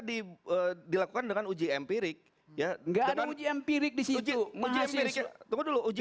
diberi dilakukan dengan uji empirik ya enggak ada uji empirik disitu menghasilkan dulu uji